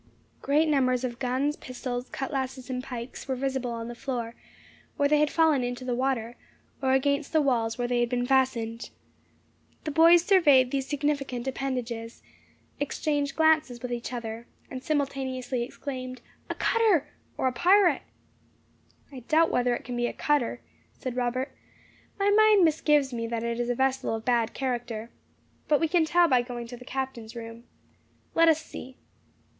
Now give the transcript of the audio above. Great numbers of guns, pistols, cutlasses, and pikes, were visible on the floor, where they had fallen into the water, or against the walls where they had been fastened. The boys surveyed these significant appendages, exchanged glances with each other, and simultaneously exclaimed, "A cutter, or a pirate!" "I doubt whether it can be a cutter," said Robert; "my mind misgives me that it is a vessel of bad character. But we can tell by going to the captain's room. Let us see."